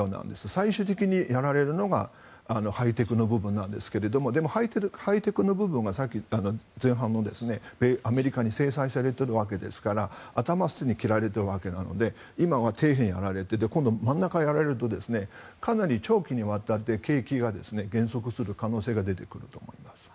最終的にやられるのがハイテクの部分なんですけどでも、ハイテクの部分はアメリカに制裁されているわけですから頭をまずやられていて今は底辺やられて真ん中やられるとかなり長期にわたって景気が減速する可能性が出てくると思います。